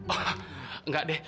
oh nggak deh